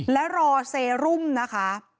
และรอเซรุมนะคะ